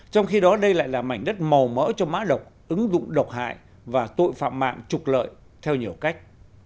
trong khi đó đây lại là mảnh đất màu mỡ cho mã độc ứng dụng độc hại và tội phạm mạng trục lợi theo nhiều cách